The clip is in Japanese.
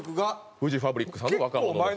フジファブリックさんの『若者のすべて』。